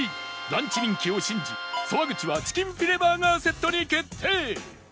ランチ人気を信じ沢口はチキンフィレバーガーセットに決定！